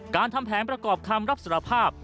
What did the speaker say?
ทำแผนประกอบคำรับสารภาพ